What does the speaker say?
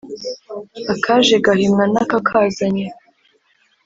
Akaje gahimwa n’akakazanye.